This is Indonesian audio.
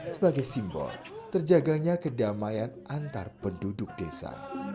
sebagai simbol terjaganya kedamaian antar penduduk desa